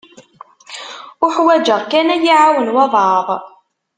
Uḥwaǧeɣ kan ad yi-iɛawen walebɛaḍ.